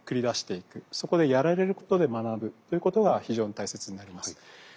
そこでやられることで学ぶということが非常に大切になります。